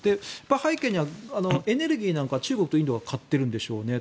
背景にはエネルギーなんかは中国とインドは買ってるんでしょうねと。